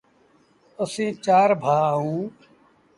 اسيٚݩ چآر ڀآ اَهوݩ،